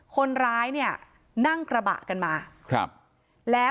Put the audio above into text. คนร้ายนั่งกระบะกันมา